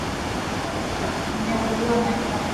viazi lishe Vinaweza kuliwa na nyama